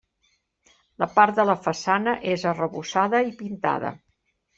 La part de la façana és arrebossada i pintada.